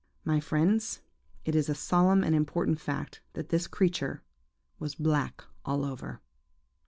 My friends, it is a solemn and important fact that this creature was black all over.